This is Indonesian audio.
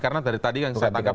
karena dari tadi yang saya tangkap